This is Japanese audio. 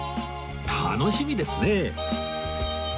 楽しみですね